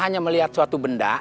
hanya melihat suatu benda